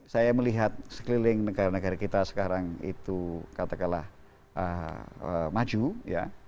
saya melihat sekeliling negara negara kita sekarang itu katakanlah maju ya